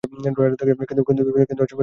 কিন্তু এর সঙ্গে তাঁর কী সম্পর্ক?